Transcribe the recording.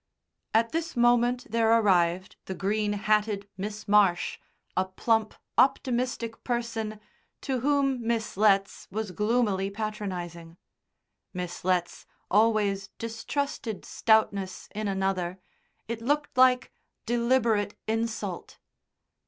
At this moment there arrived the green hatted Miss Marsh, a plump, optimistic person, to whom Miss Letts was gloomily patronising. Miss Letts always distrusted stoutness in another; it looked like deliberate insult.